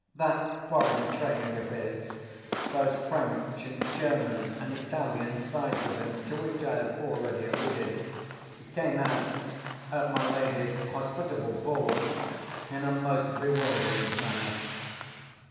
That foreign training of his—those French and German and Italian sides of him, to which I have already alluded—came out, at my lady's hospitable board, in a most bewildering manner.